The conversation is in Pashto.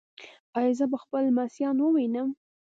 ایا زه به خپل لمسیان ووینم؟